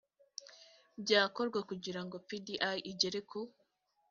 byakorwa kugira ngo pdi igere ku